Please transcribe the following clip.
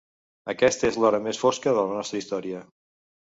Aquesta és l'hora més fosca de la nostra història.